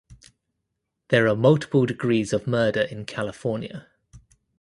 There are multiple degrees of murder in California.